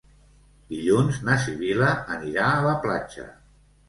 Dilluns na Sibil·la anirà a la platja.